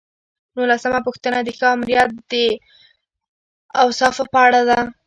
نولسمه پوښتنه د ښه آمریت د اوصافو په اړه ده.